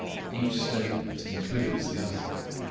Each statement includes the other.